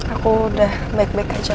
aku udah baik baik aja